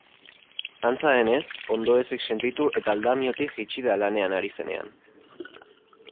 Antza denez, ondoezik sentitu eta aldamiotik jaitsi da lanean ari zenean.